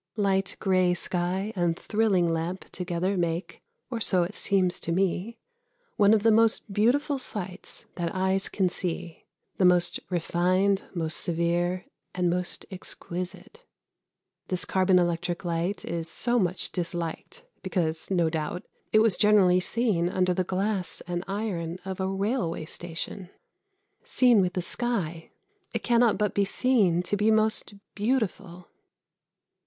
Light grey sky and thrilling lamp together make or so it seems to me one of the most beautiful sights that eyes can see the most refined, most severe, and most exquisite. This carbon electric light is so much disliked because, no doubt, it was generally seen under the glass and iron of a railway station. Seen with the sky it cannot but be seen to be most beautiful.